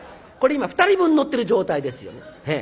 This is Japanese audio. これ今２人分のってる状態ですよね。